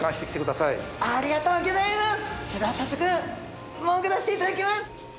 それでは早速潜らせていただきます。